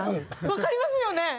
わかりますよね！